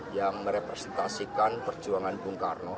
yang merepresentasikan perjuangan bung karno